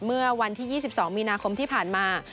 เมื่อวันที่๒๒มีนาคมที่ผ่านมา